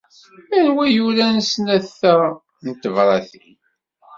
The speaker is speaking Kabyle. Anwa ay yuran snat-a n tebṛatin?